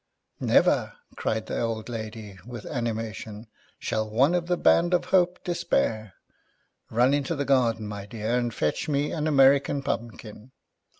"Never," cried the old lady with anima tion, " shall one of the Band of Hope despair! Run into the garden, my dear, and fetch me an American Pumpkin